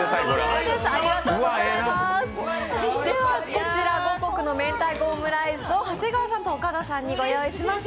こちら、五穀の明太子オムライスを長谷川さんと岡田さんにご用意しました。